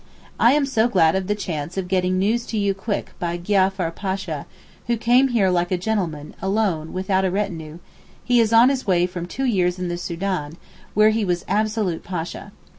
I am so glad of the chance of getting news to you quick by Giafar Pasha, who came here like a gentleman, alone, without a retinue; he is on his way from two years in the Soudan, where he was absolute Pasha.